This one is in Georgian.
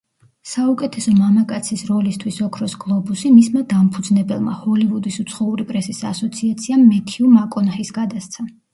საუკეთესო მამაკაცის როლისთვის „ოქროს გლობუსი“ მისმა დამფუძნებელმა, ჰოლივუდის უცხოური პრესის ასოციაციამ მეთიუ მაკონაჰის გადასცა.